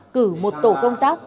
cử một tổ công tác